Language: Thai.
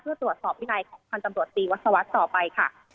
เพื่อตรวจสอบวินัยของพันธบรตรีวัสวัสดิ์ต่อไปค่ะ